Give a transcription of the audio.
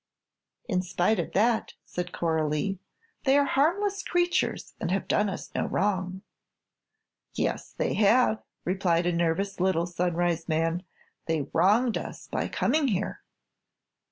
"In spite of that," said Coralie, "they are harmless creatures and have done us no wrong." "Yes, they have," replied a nervous little Sunrise man; "they wronged us by coming here."